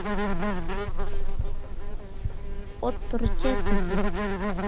ئوتتۇرىچە تېزلىك